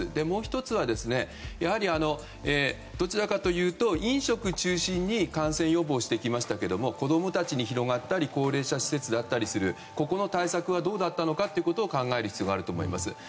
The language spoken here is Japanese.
もう１つは、どちらかというと飲食中心に感染予防してきましたけど子供たちに広がったり高齢者施設だったりここに対する対策がどうだったのかを考える必要があると思います。